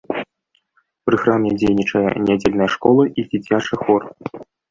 Пры храме дзейнічае нядзельная школа і дзіцячы хор.